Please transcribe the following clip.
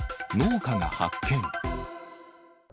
農家が発見。